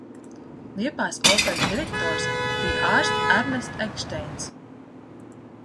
Liepājas operas direktors bija ārsts Ernests Ekšteins.